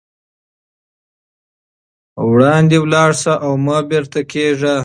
وړاندې لاړ شئ او مه بېرته کېږئ.